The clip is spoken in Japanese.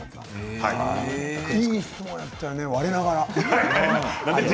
いい質問だったよねわれながら。